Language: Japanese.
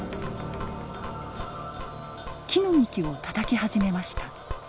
木の幹をたたき始めました。